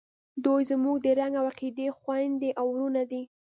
دوئ زموږ د رنګ او عقیدې خویندې او ورونه دي.